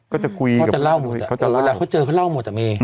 ก็จะคุยกับเขาด้วยเขาจะเล่าหมดแต่เวลาเขาเจอเขาเล่าหมดอ่ะเม